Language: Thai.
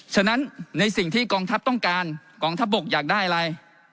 ฉะนั้นในสิ่งที่กองทัพต้องการกองทัพบกอยากได้อะไร